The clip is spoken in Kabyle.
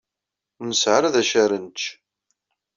Ur nesɛi ara d acu ara nečč.